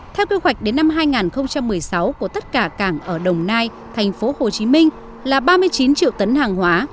theo kế hoạch đến năm hai nghìn một mươi sáu của tất cả cảng ở đồng nai thành phố hồ chí minh là ba mươi chín triệu tấn hàng hóa